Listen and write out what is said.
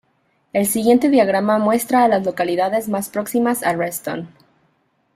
El siguiente diagrama muestra a las localidades más próximas a Reston.